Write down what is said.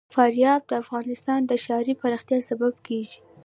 فاریاب د افغانستان د ښاري پراختیا سبب کېږي.